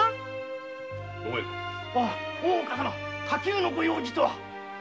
大岡様火急のご用事とは？